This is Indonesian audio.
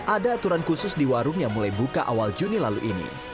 ada aturan khusus di warung yang mulai buka awal juni lalu ini